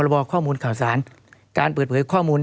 บอข้อมูลข่าวสารการเปิดเผยข้อมูล